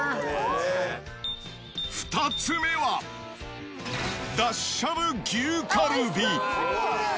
２つ目は、だししゃぶ牛カルビ。